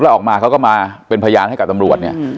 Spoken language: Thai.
แล้วออกมาเขาก็มาเป็นพยานให้กับตำรวจเนี่ย